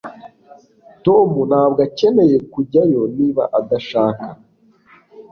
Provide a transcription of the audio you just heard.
Tom ntabwo akeneye kujyayo niba adashaka